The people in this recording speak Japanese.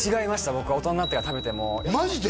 僕は大人になってから食べてもマジで！？